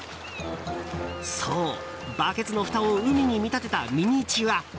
そう、バケツのふたを海に見立てたミニチュア。